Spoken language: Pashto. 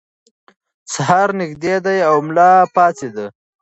سهار نږدې دی او ملا پاڅېد.